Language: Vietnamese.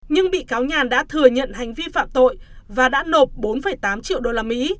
nhưng bị cáo nhàn đã thừa nhận hành vi phạm tội và đã nộp bốn tám triệu usd